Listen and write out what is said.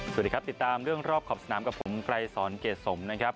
สวัสดีครับติดตามเรื่องรอบขอบสนามกับผมไกรสอนเกรดสมนะครับ